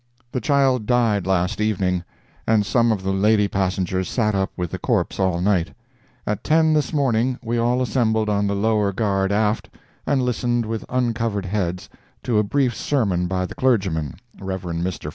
—The child died last evening, and some of the lady passengers sat up with the corpse all night. At ten this morning, we all assembled on the lower guard aft, and listened with uncovered heads, to a brief sermon by the clergyman (Rev. Mr.